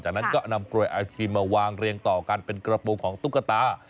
จากนั้นก็นำกลวยไอศครีมมาวางเรียงต่อกันเป็นกระโปรงของตุ๊กตา